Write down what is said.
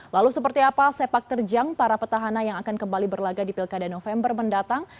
lalu seperti apa sepak terjang para petahana yang akan kembali berlaga di pilkada november mendatang